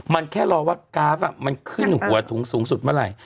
มันแค่รอว่ากราฟมันขึ้นหัวถุงสูงสุดเมื่อไหร่